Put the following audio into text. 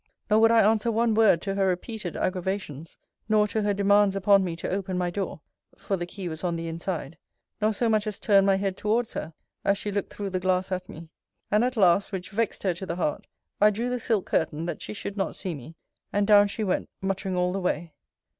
Nor would I answer one word to her repeated aggravations, nor to her demands upon me to open my door (for the key was on the inside); nor so much as turn my head towards her, as she looked through the glass at me. And at last, which vexed her to the heart, I drew the silk curtain, that she should not see me, and down she went muttering all the way.